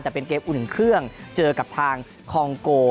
แต่เป็นเกมอุ่นเครื่องเจอกับทางคองโก